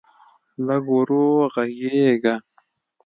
لږ ورو غږېږه.